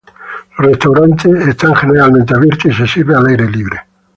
Los restaurantes están generalmente abiertos y se sirve al aire libre.